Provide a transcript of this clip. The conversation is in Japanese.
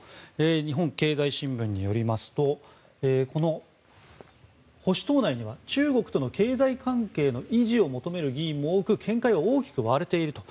日本経済新聞によりますとこの保守党内には中国との経済関係の維持を求める議員も多く見解は大きく割れていると。